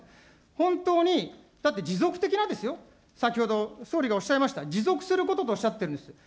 本当にだって持続的なですよ、先ほど総理がおっしゃいました、持続することとおっしゃっているんですよ。